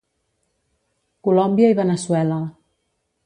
Colòmbia i Veneçuela.